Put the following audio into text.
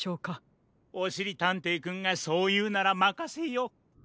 おしりたんていくんがそういうならまかせよう。